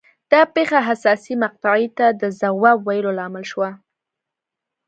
دا پېښه حساسې مقطعې ته د ځواب ویلو لامل شوه.